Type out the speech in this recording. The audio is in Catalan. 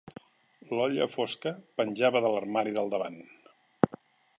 L'olla fosca penjava de l'armari del davant.